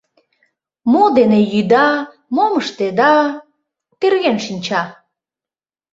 Мо дене йӱда, мом ыштеда — терген шинча.